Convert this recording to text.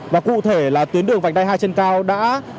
và cụ thể là tuyến đường vành đai hai trên cao đã